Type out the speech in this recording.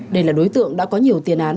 đây là đối tượng đã có nhiều tiền án